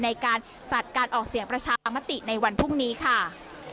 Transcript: ในการจัดการออกเสียงประชามติในวันพรุ่งนี้ค่ะ